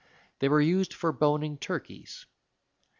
They were used for boning turkeys.